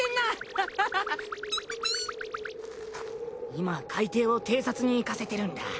今海底を偵察に行かせてるんだ。